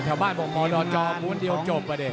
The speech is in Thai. ชาวบ้านบอกมดจอม้วนเดียวจบอ่ะดิ